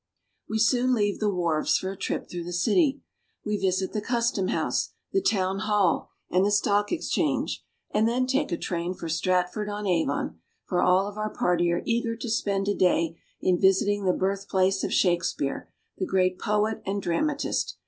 We soon leave the wharves for a trip through the city. We visit the custom house, the town hall, and the stock exchange, and then take a train for Stratford on Avon, for all of our party are eager to spend a day in visiting the birthplace of Shake speare, the great poet and dramatist.